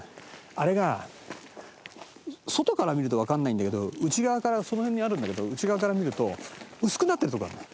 あれが外から見るとわからないんだけど内側からその辺にあるんだけど内側から見ると薄くなってるところがあるんだよ。